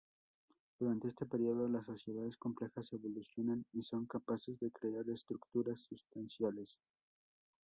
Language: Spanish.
Durante este período las sociedades complejas evolucionan y son capaces de crear estructuras sustanciales.